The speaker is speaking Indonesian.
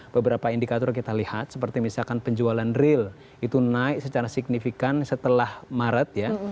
beberapa indikator kita lihat seperti misalkan penjualan real itu naik secara signifikan setelah maret ya